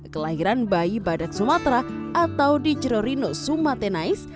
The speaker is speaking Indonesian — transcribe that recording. kelahiran bayi badak sumatera atau dicero rino sumatenais